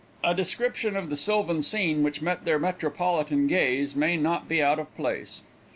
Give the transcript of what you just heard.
A description of the sylvan scene which met their metropolitan gaze may not be out of place.